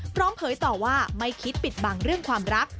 เผยต่อว่าไม่คิดปิดบังเรื่องความรัก